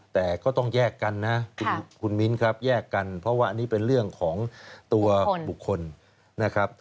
แต่ก็ต้องแยกกันนะคุณมิ้นครับแยกกันเพราะว่าอันนี้เป็นเรื่องของตัวบุคคลนะครับ